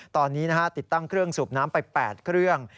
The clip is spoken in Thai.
ตอนนี้ติดตั้งเครื่องสูบน้ำไป๘เครื่อง